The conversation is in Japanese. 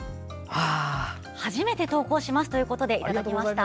初めて投稿しますということでいただきました。